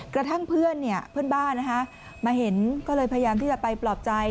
กระทั่งเพื่อนเพื่อนบ้านมาเห็นก็เลยพยายามที่จะไปปลอบใจ